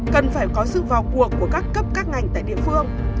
cần phải có sự vào cuộc của các cấp các ngành tại địa phương